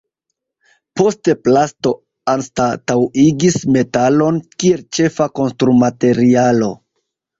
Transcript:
Poste plasto anstataŭigis metalon kiel ĉefa konstrumaterialo.